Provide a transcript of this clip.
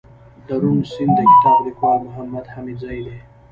دروڼ سيند دکتاب ليکوال محمودحميدزى دئ